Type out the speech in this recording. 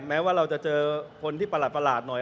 แม้ว่าเราจะเจอคนที่ประหลาดหน่อย